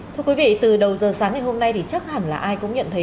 thưa quý vị từ đầu giờ sáng ngày hôm nay thì chắc hẳn là ai cũng nhận thấy